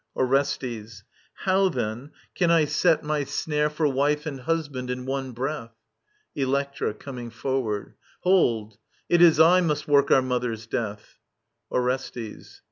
Orestes. How then can I set My snare for wife and husband in one breath ? Electra {coming forward). Hold I It is I must work our mother's death. Orestes.